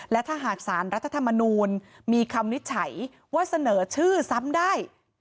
และถ้าหากสารรัฐธรรมนูลมีคำวินิจฉัยว่าเสนอชื่อซ้ำได้